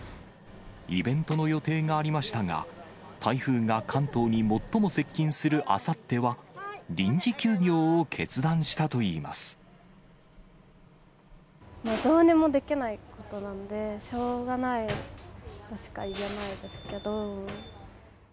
イベントの予定がありましたが、台風が関東に最も接近するあさっては、どうにもできないことなんで、しょうがないとしか言えないですけど。